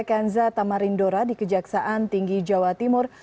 kanza tamarindora di kejaksaan tinggi jawa timur